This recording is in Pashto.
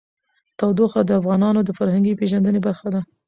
تودوخه د افغانانو د فرهنګي پیژندنې برخه ده.